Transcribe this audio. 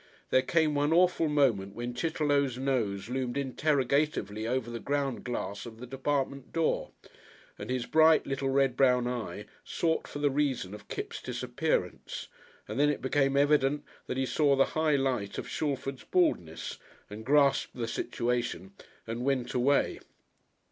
There came one awful moment when Chitterlow's nose loomed interrogatively over the ground glass of the department door, and his bright, little, red brown eye sought for the reason of Kipps' disappearance, and then it became evident that he saw the high light of Shalford's baldness and grasped the situation and went away.